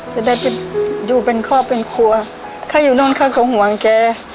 จะได้ไปอยู่เป็นครอบเป็นครัวข้าอยู่นั่นข้าก็ห่วงแก